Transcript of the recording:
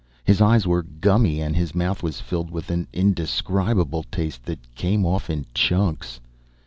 His eyes were gummy and his mouth was filled with an indescribable taste that came off in chunks.